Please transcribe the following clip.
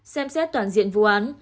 xem xét toàn diện vụ án